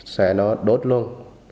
xe nó đốt luôn